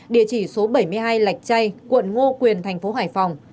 địa chỉ số bảy mươi hai lạch chay quận ngo quyền tp hải phòng